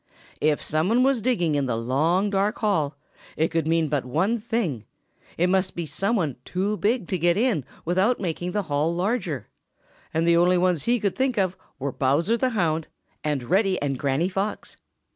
If some one was digging in the long, dark hall, it could mean but one thing that it must be some one too big to get in without making the hall larger; and the only ones he could think of were Bowser the Hound and Reddy and Granny Fox!